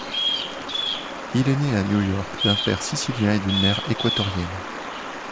Il est né à New York d'un père sicilien et d'une mère équatorienne.